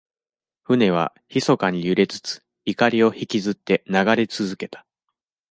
船は、ひそかに揺れつつ、錨をひきずって流れつづけた。